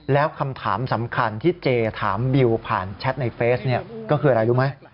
แล้วคำถามสำคัญที่เจถามบิวผ่านแชทในเฟซเนี่ยก็คืออะไรรู้ไหม